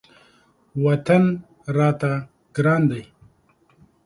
وطن راته ګران دی.